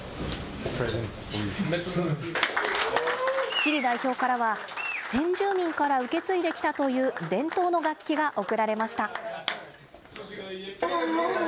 チリ代表からは先住民から受け継いできたという伝統の楽器が贈られました。